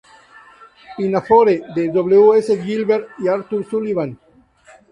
Pinafore", de W. S. Gilbert y Arthur Sullivan.